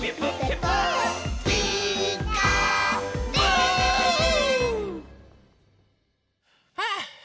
「ピーカーブ！」はあ。